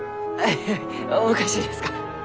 おかしいですか？